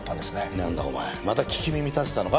なんだお前また聞き耳立ててたのか？